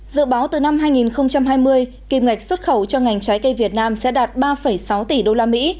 dự báo từ năm hai nghìn hai mươi kịp ngạch xuất khẩu cho ngành trái cây việt nam sẽ đạt ba sáu tỷ usd